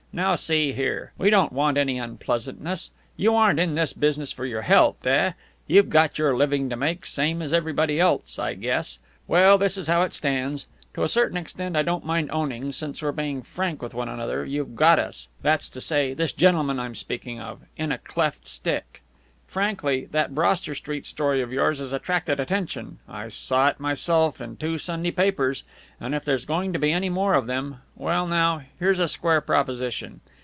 Now, see here. We don't want any unpleasantness. You aren't in this business for your health, eh? You've got your living to make, same as everybody else, I guess. Well, this is how it stands. To a certain extent, I don't mind owning, since we're being frank with one another, you've got us that's to say, this gentleman I'm speaking of in a cleft stick. Frankly, that Broster Street story of yours has attracted attention I saw it myself in two Sunday papers and if there's going to be any more of them Well, now, here's a square proposition.